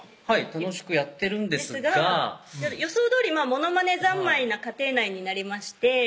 はい楽しくやってるんですが予想どおりモノマネ三昧な家庭内になりまして